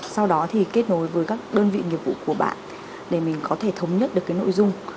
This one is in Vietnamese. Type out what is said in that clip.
sau đó thì kết nối với các đơn vị nghiệp vụ của bạn để mình có thể thống nhất được cái nội dung